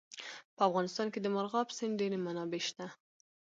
په افغانستان کې د مورغاب سیند ډېرې منابع شته.